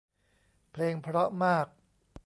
เพลงเพราะมาก